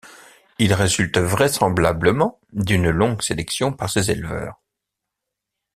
Il résulte vraisemblablement d'une longue sélection par ses éleveurs.